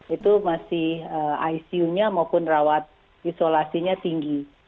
itu masih icu nya maupun rawat isolasinya tinggi